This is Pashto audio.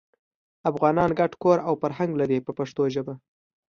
افغانان ګډ کور او فرهنګ لري په پښتو ژبه.